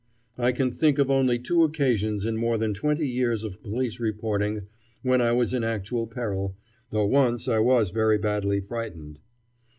I can think of only two occasions in more than twenty years of police reporting when I was in actual peril, though once I was very badly frightened.